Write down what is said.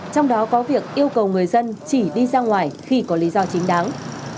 trong đó có việc yêu cầu người dân chỉ đi ra ngoài khi có lý do chính đáng